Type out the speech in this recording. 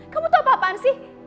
kamu tahu apa apaan sih